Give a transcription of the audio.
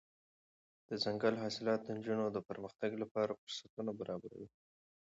دځنګل حاصلات د نجونو د پرمختګ لپاره فرصتونه برابروي.